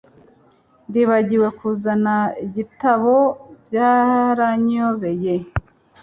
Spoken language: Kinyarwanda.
Nibagiwe kuzana igitabo Byaranyobeye